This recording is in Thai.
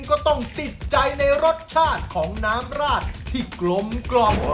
ก็ต้องติดใจในรสชาติของน้ำราดที่กลมกล่อม